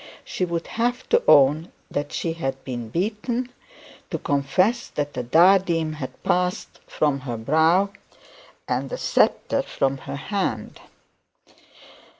She would have to own that she had been beaten, to confess that the diadem had passed from her brow, and the sceptre from her hand!